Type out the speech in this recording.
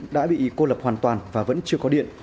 đã bị cô lập hoàn toàn và vẫn chưa có điện